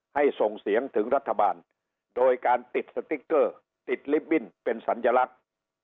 ส่งเสียงถึงรัฐบาลโดยการติดสติ๊กเกอร์ติดลิฟตบิ้นเป็นสัญลักษณ์